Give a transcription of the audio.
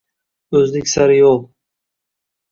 O‘zlik sari yo‘l